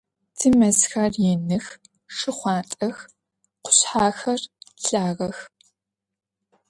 Тимэзхэр иных, шхъуантӏэх, къушъхьэхэр лъагэх.